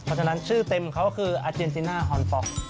เพราะฉะนั้นชื่อเต็มเขาก็คืออาเจนติน่าฮอนป๊อก